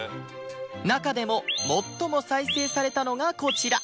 中でも最も再生されたのがこちら